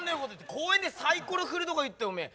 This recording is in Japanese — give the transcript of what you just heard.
公園でサイコロ振るとか言っておめえ。